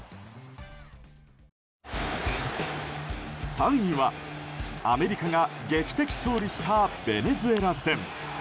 ３位はアメリカが劇的勝利したベネズエラ戦。